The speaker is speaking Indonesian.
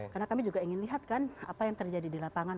karena kami juga ingin lihat kan apa yang terjadi di lapangan